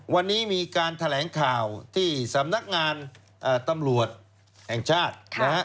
วันนี้มีการแถลงข่าวที่สำนักงานตำรวจแห่งชาตินะฮะ